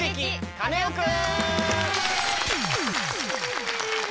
カネオくん」。